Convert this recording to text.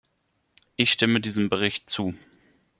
Ich stimme diesem Bericht zu.